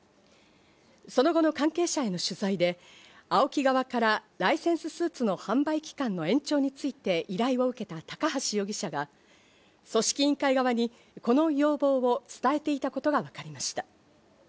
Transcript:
その後の関係者への取材で、ＡＯＫＩ側からライセンススーツの販売期間の延長について、依頼を受けた高橋容疑者が組織委員会側にこの要望を伝えていたことがわかりました。